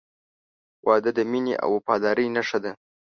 • واده د مینې او وفادارۍ نښه ده.